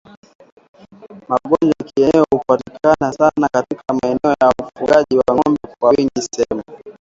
Magonjwa ya kieneo hupatikana sana katika maeneo ya ufugaji wa ng'ombe kwa wingi Sehemu